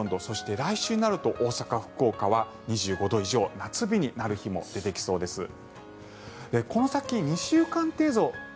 そして、来週になると大阪、福岡は２５度以上夏日になる日も出てきそうです。